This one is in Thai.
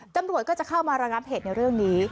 ตำรวจก็จะเข้ามาระงับเหตุในเรื่องนี้